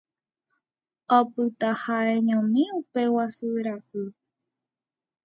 Opyta ha'eñomi upe guasu ra'y.